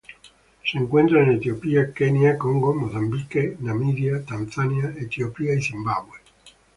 Se encuentra en Etiopía Kenia Congo Mozambique Namibia Tanzania Etiopía y Zimbabue.